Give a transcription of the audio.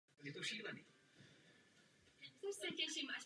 Jejich nápisy směřují většinou k jihu.